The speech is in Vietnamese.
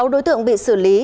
sáu đối tượng bị xử lý